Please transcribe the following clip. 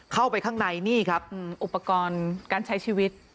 เข้าไปข้างในนี่ครับอุปกรณ์การใช้ชีวิต